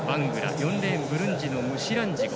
４レーンブルンジのムシランジゴ。